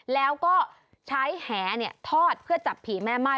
แล้วก็ใช้แหนี่ทอดเพื่อจับผีแม่ไม้